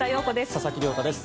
佐々木亮太です。